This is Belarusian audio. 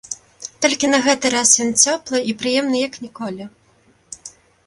Толькі на гэты раз ён цёплы і прыемны як ніколі.